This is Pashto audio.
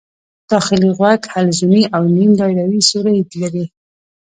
داخلي غوږ حلزوني او نیم دایروي سوري لري.